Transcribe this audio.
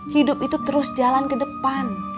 hidup itu terus jalan ke depan